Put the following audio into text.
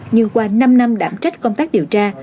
nhưng qua năm năm đảm trách công tác điều tra